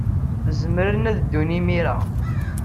Zemren ad ddun imir-a.